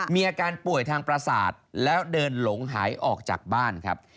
มีอาการป่วยทางประสาทแล้วเดินหลงหายออกจากบ้านครับ